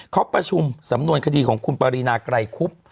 เขาประชุมสำนวนคดีของคุณปรินาไกรคุบ